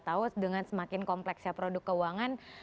tahu dengan semakin kompleksnya produk keuangan